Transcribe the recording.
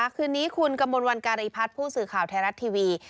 คืนนี้คุณกมลวันการีพัฒน์ผู้สื่อข่าวไทยรัฐทีวี